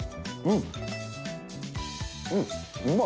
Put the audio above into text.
うん。